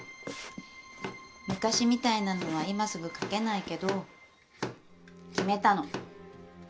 昔みたいなのは今すぐ描けないけど決めたの。